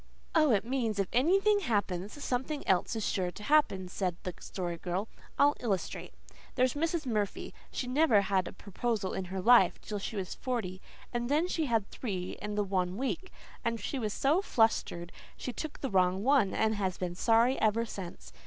"Oh, it means if anything happens something else is sure to happen," said the Story Girl. "I'll illustrate. There's Mrs. Murphy. She never had a proposal in her life till she was forty, and then she had three in the one week, and she was so flustered she took the wrong one and has been sorry ever since.